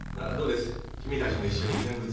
君たちも一緒に見物しませんか。